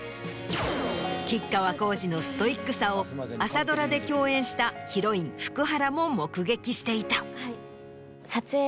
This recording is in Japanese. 吉川晃司のストイックさを朝ドラで共演したヒロイン福原も目撃していた。